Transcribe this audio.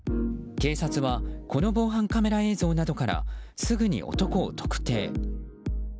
警察はこの防犯カメラ映像などからすぐに男を特定。